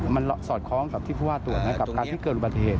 มันสอดคล้องกับที่ผู้ว่าตรวจไหมกับการที่เกิดอุบัติเหตุ